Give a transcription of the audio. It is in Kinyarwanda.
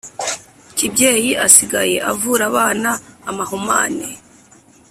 Kibyeyi asigaye avura abana amahumane